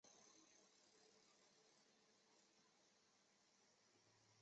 也就是没有任何可左截短质数在截短后会变成此数字。